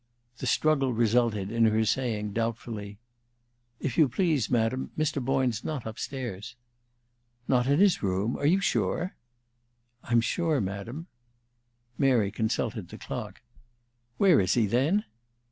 The struggle resulted in her saying doubtfully, "If you please, Madam, Mr. Boyne's not up stairs." "Not in his room? Are you sure?" "I'm sure, Madam." Mary consulted the clock. "Where is he, then?"